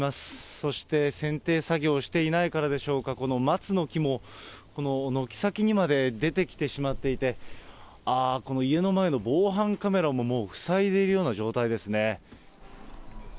そしてせんてい作業をしていないからでしょうか、この松の木も、この軒先にまで出てきてしまっていて、ああ、この家の前の防犯カメラももう、塞いでいるような状態ですね。